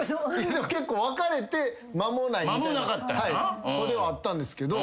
結構別れて間もないみたいな子ではあったんですけど。